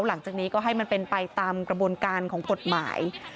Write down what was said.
หลังจากนี้ก็ให้มันเป็นไปตามกระบวนการของกฎหมาย